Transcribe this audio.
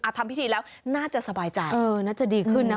ทำพิธีแล้วน่าจะสบายใจน่าจะดีขึ้นนะ